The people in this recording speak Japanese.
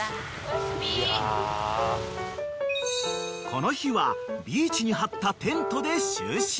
［この日はビーチに張ったテントで就寝］